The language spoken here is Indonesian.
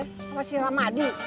sama si ramadi